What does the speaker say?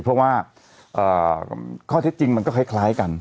เพราะว่าข้อเท็จจริงมันก็คล้ายกัน